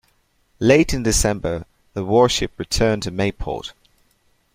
Late in December, the warship returned to Mayport.